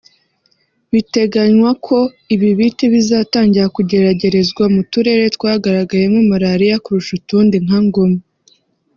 Biteganywa ko ibi biti bizatangira kugeragerezwa mu turere twagaragayemo malaria kurusha utundi nka Ngoma